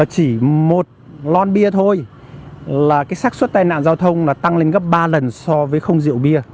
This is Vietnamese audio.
chỉ một lon bia thôi là cái sắc xuất tai nạn giao thông là tăng lên gấp ba lần so với không rượu bia